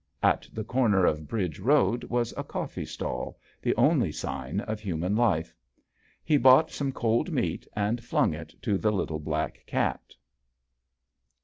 At the corner of Bridge Road was a coffee stall, the only sign of human life. He bought some cold meat and flung it to the little black cat.